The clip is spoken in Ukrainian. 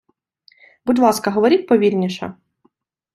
Будь ласка, говоріть повільніше.